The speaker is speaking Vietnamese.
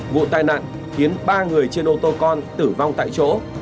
vụ tai nạn khiến ba người trên ô tô con tử vong tại chỗ